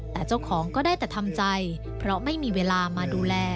แต่เจ้าของก็ได้แต่ทำใจเพราะไม่มีเวลามาดูแล